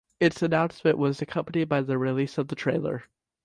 Its announcement was accompanied by the release of the trailer.